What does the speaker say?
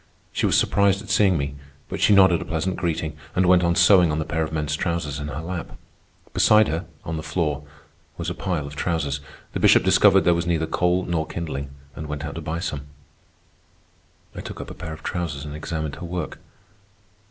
She was surprised at seeing me, but she nodded a pleasant greeting and went on sewing on the pair of men's trousers in her lap. Beside her, on the floor, was a pile of trousers. The Bishop discovered there was neither coal nor kindling, and went out to buy some. I took up a pair of trousers and examined her work.